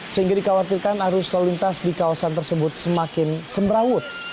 sehingga dikhawatirkan arus lalu lintas di kawasan tersebut semakin semrawut